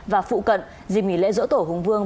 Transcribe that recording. và phụ cận dịp nghỉ lễ dỗ tổ hùng vương